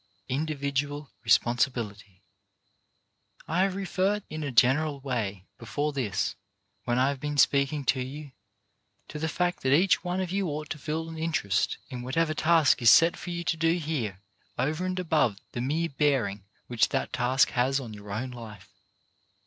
"WV INDIVIDUAL RESPONSIBILITY I have referred in a general way, before this, when I have been speaking to you, to the fact that each one of you ought to feel an interest in what ever task is set you to do here over and above the mere bearing which that task has on your own life.